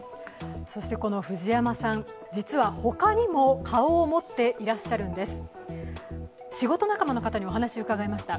藤山さん、実は他にも顔を持っていらっしゃるんです。